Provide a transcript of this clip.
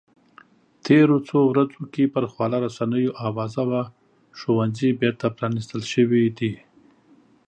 تېرو څو ورځو کې پر خواله رسنیو اوازه وه ښوونځي بېرته پرانیستل شوي دي